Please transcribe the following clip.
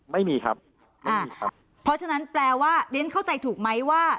ไม่มีครับไม่มีครับเพราะฉะนั้นแปลว่าเรียนเข้าใจถูกไหมว่า